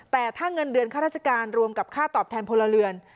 แต่ถ้าเงินเดือนค่าราชการรวมกับค่าตอบแทนพลเรือน